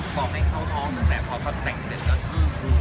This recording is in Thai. บอกให้เค้าท้องแต่พอเขาแตกเส้นก็คุ้มหัว